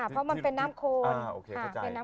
เพราะมันเป็นน้ำโคน